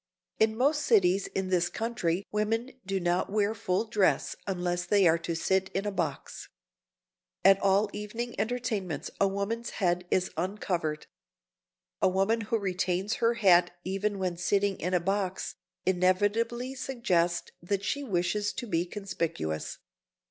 In most cities in this country women do not wear full dress unless they are to sit in a box. At all evening entertainments a woman's head is uncovered. A woman who retains her hat even when sitting in a box inevitably suggests that she wishes to be conspicuous.